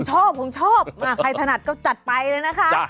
ชอบผมชอบใครถนัดก็จัดไปเลยนะคะ